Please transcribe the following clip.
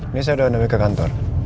ini saya udah undangin ke kantor